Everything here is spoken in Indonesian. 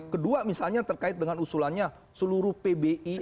kedua misalnya terkait dengan usulannya seluruh pbi